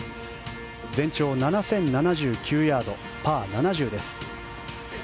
全長７０７９ヤードパー７０です。